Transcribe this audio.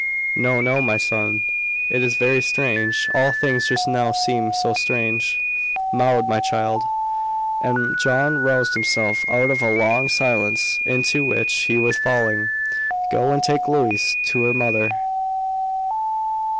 "No, no my son. It is very strange all things just now seem so strange. Maud, my child," and John roused himself out of a long silence into which he was falling, "go, and take Louise to her mother."